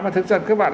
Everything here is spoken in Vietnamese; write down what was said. thực ra các bạn